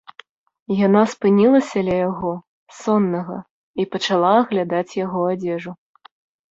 Яна спынілася ля яго, соннага, і пачала аглядаць яго адзежу.